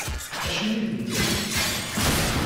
Acimi d nekk?